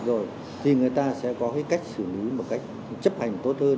nếu mà bị phạt rồi thì người ta sẽ có cách xử lý một cách chấp hành tốt hơn